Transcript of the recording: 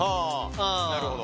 なるほど。